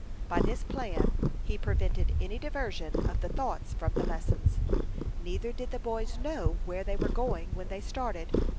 By this plan he prevented any diversion of the thoughts from the lessons. Neither did the boys know where they were going when they started.